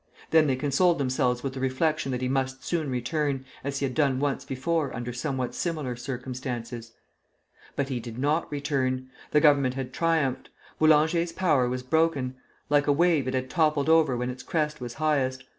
Then they consoled themselves with the reflection that he must soon return, as he had done once before under somewhat similar circumstances. But he did not return. The Government had triumphed. Boulanger's power was broken; like a wave, it had toppled over when its crest was highest.